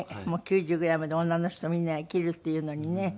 ９０ぐらいまで女の人みんな生きるっていうのにね。